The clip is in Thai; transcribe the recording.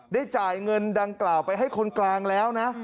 จ่ายเงินดังกล่าวไปให้คนกลางแล้วนะ